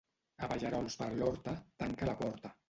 Abellerols per l'horta, tanca la porta.